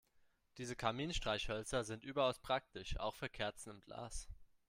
Diese Kaminstreichhölzer sind überaus praktisch, auch für Kerzen im Glas.